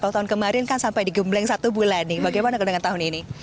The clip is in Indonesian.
kalau tahun kemarin kan sampai digembleng satu bulan nih bagaimana dengan tahun ini